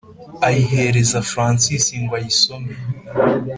ayihereza francis ngo ayisome.